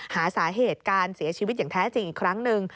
หาสาเหตุการเสียชีวิตอย่างแท้จริงอีกครั้งหนึ่ง